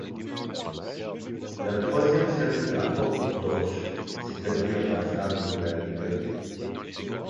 La troisième statue apporte une torche, c'est-à-dire la flamme de la liberté.